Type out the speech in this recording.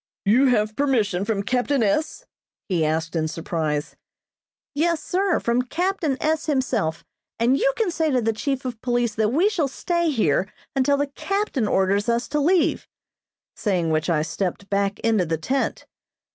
"You have permission from captain S.?" he asked in surprise. "Yes, sir, from captain S. himself, and you can say to the chief of police that we shall stay here until the captain orders us to leave," saying which I stepped back into the tent.